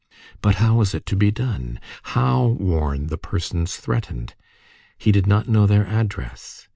But how was it to be done? How warn the persons threatened? He did not know their address.